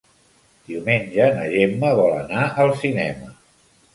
Diumenge na Gemma vol anar al cinema.